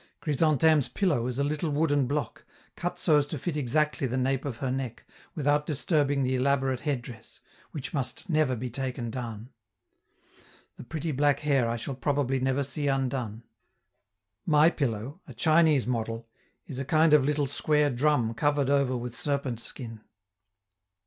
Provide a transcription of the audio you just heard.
Chrysantheme's pillow is a little wooden block, cut so as to fit exactly the nape of her neck, without disturbing the elaborate head dress, which must never be taken down; the pretty black hair I shall probably never see undone. My pillow, a Chinese model, is a kind of little square drum covered over with serpent skin.